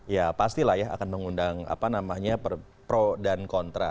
ya pastilah ya akan mengundang apa namanya pro dan kontra